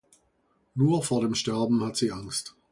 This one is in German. Nur vor dem Sterben hat sie Angst.